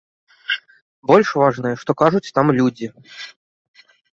Больш важнае, што кажуць там людзі.